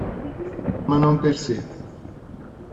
Ma non per sé.